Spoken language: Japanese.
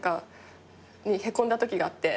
へこんだときがあって。